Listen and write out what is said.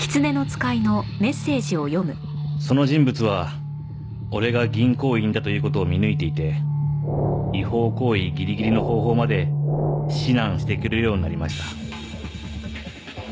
その人物は俺が銀行員だという事を見抜いていて違法行為ギリギリの方法まで指南してくれるようになりました。